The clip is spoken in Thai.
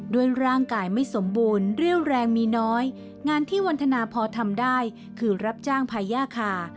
ด้วยร่างกายไม่สมบูรณ์เรี่ยวแรงมีน้อยงานที่วันทนาพอทำได้คือรับจ้างพาย่าคา